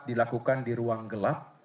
dilakukan di ruang gelap